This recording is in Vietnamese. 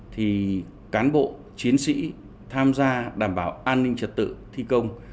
thì cán bộ chiến sĩ tham gia đảm bảo an ninh trật tự thi công